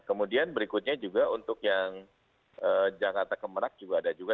kemudian berikutnya juga untuk yang jakarta kemarak juga ada